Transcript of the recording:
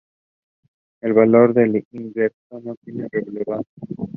The property overlooks the valley formed by the South Branch Raritan River.